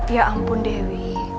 ya ampun dewi